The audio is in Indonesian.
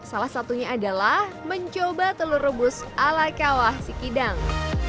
salah satunya adalah mencoba telur rebus ala kawah sikidang